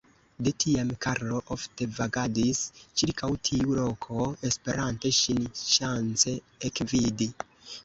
De tiam Karlo ofte vagadis ĉirkaŭ tiu loko, esperante ŝin ŝance ekvidi.